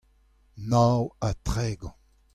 nav ha tregont.